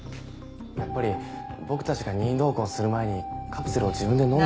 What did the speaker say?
やっぱり僕たちが任意同行する前にカプセルを自分で飲んで。